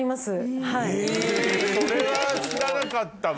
えそれは知らなかったわ。